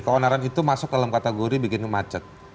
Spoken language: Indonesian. keonaran itu masuk dalam kategori bikin umumnya kacau ya